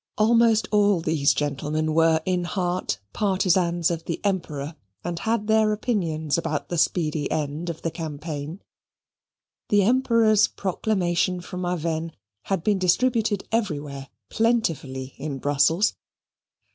Almost all these gentlemen were in heart partisans of the Emperor, and had their opinions about the speedy end of the campaign. The Emperor's proclamation from Avesnes had been distributed everywhere plentifully in Brussels.